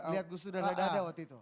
lihat gus dur dan dada waktu itu